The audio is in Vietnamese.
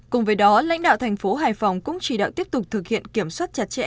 cùng với đó lãnh đạo thành phố hải phòng cũng chỉ đạo tiếp tục thực hiện kiểm soát chặt chẽ